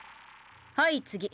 はい次。